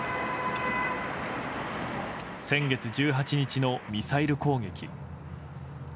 先月１８日のミサイル攻撃。